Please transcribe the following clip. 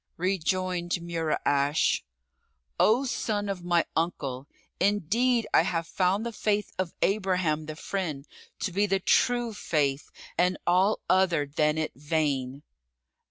Rejoined Mura'ash, "O son of my uncle, indeed I have found the faith of Abraham the Friend to be the True Faith and all other than it vain."